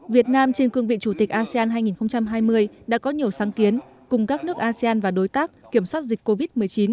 việt nam trên cương vị chủ tịch asean hai nghìn hai mươi đã có nhiều sáng kiến cùng các nước asean và đối tác kiểm soát dịch covid một mươi chín